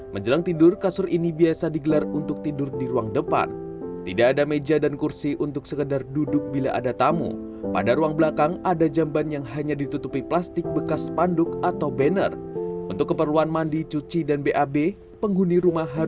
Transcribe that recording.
potrat kemiskinan di brebes jowa tengah